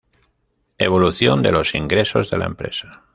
Evolución de los ingresos de la empresa.